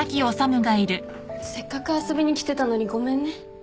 せっかく遊びに来てたのにごめんね。